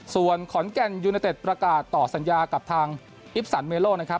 ส่วนขอนแก่นยูเนเต็ดประกาศต่อสัญญากับทางอิปสันเมโลนะครับ